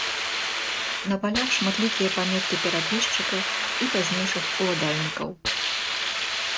На палях шматлікія паметкі перапісчыка і пазнейшых уладальнікаў.